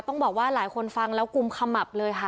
ต้องบอกว่าหลายคนฟังแล้วกุมขมับเลยค่ะ